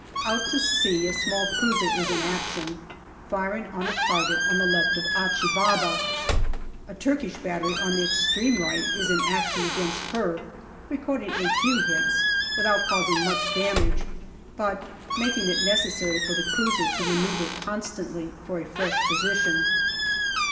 Out to sea a small cruiser is in action, firing on a target on the left of Achi Baba. A Turkish battery on the extreme right is in action against her, recording a few hits, without causing much damage, but making it necessary for the cruiser to manoeuvre constantly for a fresh position.